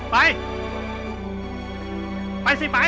ไปสิไป